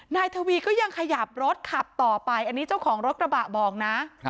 นายทวีก็ยังขยับรถขับต่อไปอันนี้เจ้าของรถกระบะบอกนะ